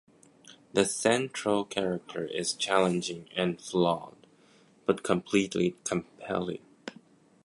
The central character is challenging and flawed, but completely compelling.